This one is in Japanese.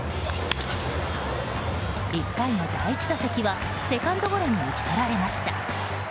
１回の第１打席はセカンドゴロに打ち取られました。